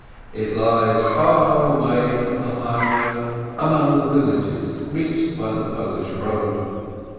It lies far away from the highway, among villages reached by the Polish Eoad.